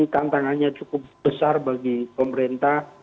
tantangannya cukup besar bagi pemerintah